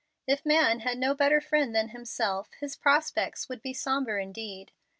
If man had no better friend than himself, his prospects would be sombre indeed.